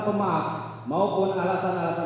pemaaf maupun alasan alasan